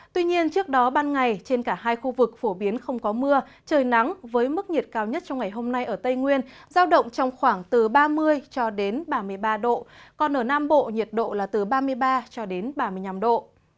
tuy nhiên trước đó ban ngày trên cả hai khu vực phổ biến không có mưa trời nắng với mức nhiệt cao nhất trong ngày hôm nay ở tây nguyên giao động trong khoảng từ ba mươi cho đến ba mươi ba độ còn ở nam bộ nhiệt độ là từ ba mươi ba cho đến ba mươi năm độ